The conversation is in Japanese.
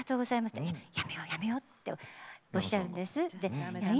でも「やめよう、やめようって」っておっしゃるんですよ。